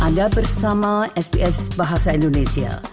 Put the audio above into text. anda bersama sps bahasa indonesia